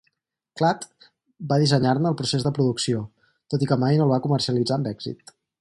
Klatte va dissenyar-ne el procés de producció, tot i que mai no el va comercialitzar amb èxit.